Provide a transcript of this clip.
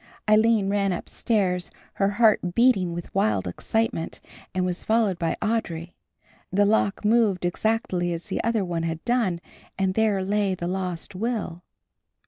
Aline ran upstairs, her heart beating with wild excitement, and was followed by Audry. The lock moved exactly as the other one had done and there lay the lost will.